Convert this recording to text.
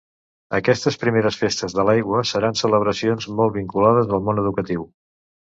Aquestes primeres festes de l'aigua seran celebracions molt vinculades al món educatiu.